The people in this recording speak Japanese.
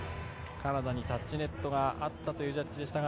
カナダにタッチネットがあったというジャッジでしたか